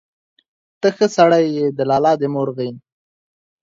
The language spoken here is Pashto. ته ښه سړى يې، د لالا دي مور غيم.